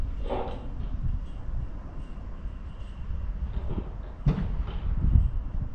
El personaje de Frank Poole en la película fue interpretado por Gary Lockwood.